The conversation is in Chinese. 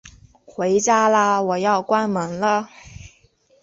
回家啦，我要关门了